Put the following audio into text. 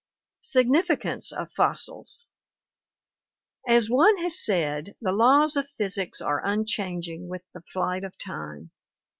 Significance of Fossils As one has said, the laws of physics are unchanging with the flight of time.